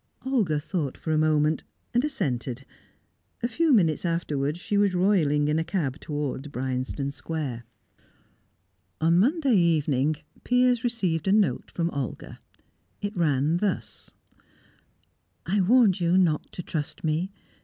Olga thought for a moment, and assented. A few minutes afterwards, she was roiling in a cab towards Bryanston Square. On Monday evening, Piers received a note from Olga. It ran thus: "I warned you not to trust me.